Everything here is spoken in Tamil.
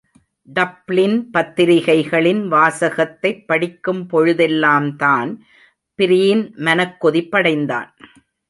டப்ளின் பத்திரிகைகளின் வாசகத்தைப் படிக்கும்பொழுதெல்லாம் தான்பிரீன் மனக் கொதிப்படைந்தான்.